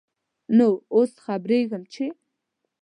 نوو اوس خبريږم ، چې ...